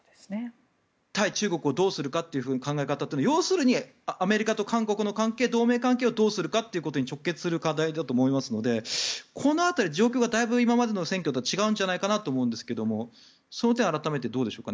対中国をどうするのかという考え方というのは要するにアメリカと韓国の同盟関係をどうするかっていうことに直結する課題だと思いますのでこの辺り、状況がだいぶ今までの選挙とは違うんじゃないかと思うんですがその点、改めてどうでしょうか？